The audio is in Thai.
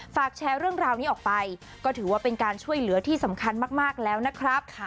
แชร์เรื่องราวนี้ออกไปก็ถือว่าเป็นการช่วยเหลือที่สำคัญมากแล้วนะครับ